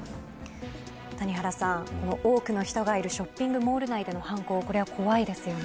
谷原さん、多くの人がいるショッピングモール内での犯行これは怖いですよね。